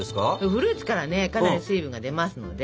フルーツからねかなり水分が出ますのでそれを吸収します。